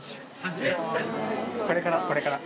これからこれから。